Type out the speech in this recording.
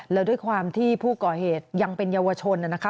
แล้วด้วยความที่ผู้ก่อเหตุยังเป็นเยาวชนนะคะ